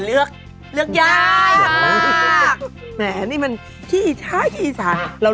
อ๋อเราต้องมีแบบว่า